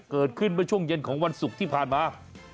เกิดขึ้นเมื่อช่วงเย็นของวันศุกร์ที่ผ่านมา